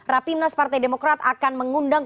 rapimnas partai demokrat akan mengundang